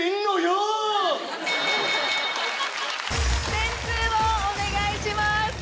点数をお願いします。